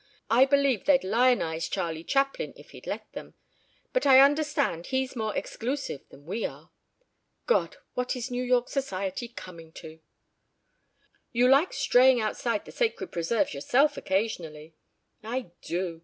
I believe they'd lionize Charley Chaplin if he'd let them, but I understand he's more exclusive than we are. God! What is New York Society coming to?" "You like straying outside the sacred preserves yourself occasionally." "I do.